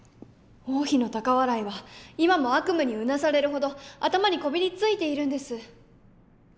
王妃の高笑いは今も悪夢にうなされるほど頭にこびりついているんです！